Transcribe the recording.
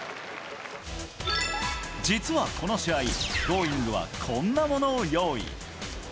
実はこの試合、Ｇｏｉｎｇ！はこんなものを用意。